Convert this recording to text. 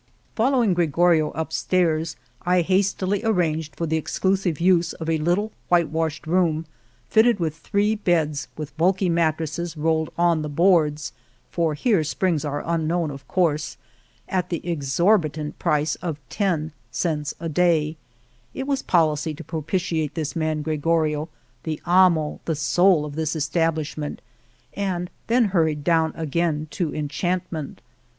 Following Gregorio upstairs I hastily ar ranged for the exclusive use of a little white washed room, fitted with three beds with bulky mattresses rolled on the boards — for here springs are unknown, of course — at the exorbitant price of ten cents a day — it was policy to propitiate this man Gregorio, the amo, the soul of this establishment — and then hurried down again to enchantment